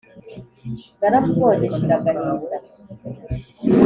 naramubonye nshira agahinda